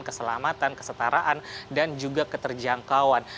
keselamatan kesetaraan dan juga keterjangkauan